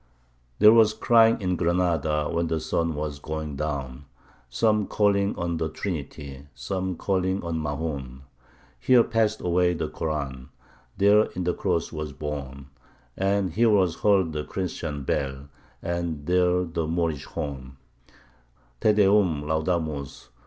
There was crying in Granada when the sun was going down; Some calling on the Trinity some calling on Mahoun. Here passed away the Koran there in the Cross was borne And here was heard the Christian bell and there the Moorish horn: Te Deum Laudamus!